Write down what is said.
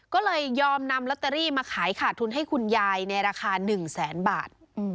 ก็เลยยอมนำลอตเตอรี่มาขายขาดทุนให้คุณยายในราคา๑แสนบาท